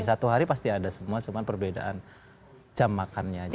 satu hari pasti ada semua cuma perbedaan jam makannya aja